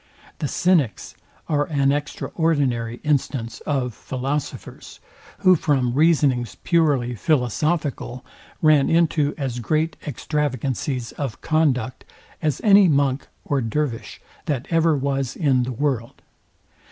The CYNICS are an extraordinary instance of philosophers, who from reasonings purely philosophical ran into as great extravagancies of conduct as any Monk or Dervise that ever was in the world.